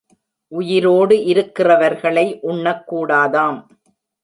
உயிரோடு இருக்கிறவர்களை உண்ணக் கூடாதாம்.